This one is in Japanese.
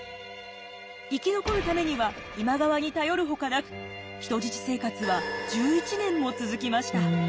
生き残るためには今川に頼るほかなく人質生活は１１年も続きました。